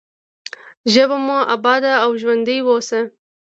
ژبه مو اباده او ژوندۍ اوسه.